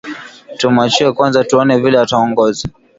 Tumuachie kwanza tuone vile ataongoza